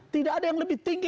tidak ada yang lebih tinggi